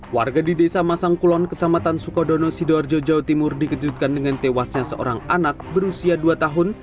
warga di desa masangkulon kecamatan sukodono sidoarjo jawa timur dikejutkan dengan tewasnya seorang anak berusia dua tahun